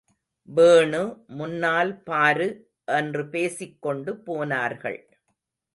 வேணுமுன்னால் பாரு என்று பேசிக்கொண்டு போனார்கள்.